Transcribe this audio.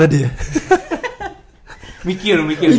kan tadi kita ngejebutin beberapa nama pemain yang bakal rame